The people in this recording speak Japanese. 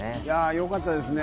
よかったですね。